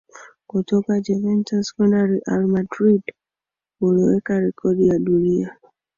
Kutoka Juventus kwenda Real Madrid uliweka rekodi ya dunia